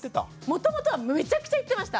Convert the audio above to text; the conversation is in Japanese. もともとはむちゃくちゃ言ってました。